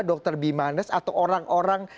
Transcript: dr bimanes atau orang orang